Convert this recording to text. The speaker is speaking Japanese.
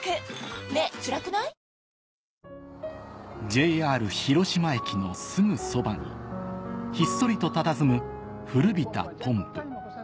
ＪＲ広島駅のすぐそばにひっそりとたたずむ古びたポンプ